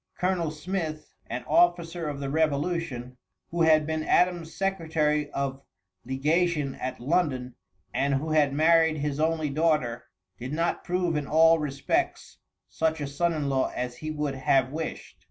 Colonel Smith, an officer of the revolution, who had been Adams' secretary of legation at London and who had married his only daughter, did not prove in all respects such a son in law as he would have wished.